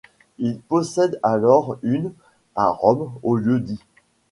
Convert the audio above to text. Il possède alors une ' à Rome, au lieu-dit '.